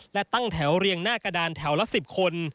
และตั้งแถวเรียงหน้ากระดานแถวละ๑๐คน